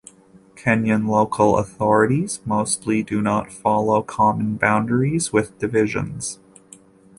Kenyan local authorities mostly do not follow common boundaries with divisions.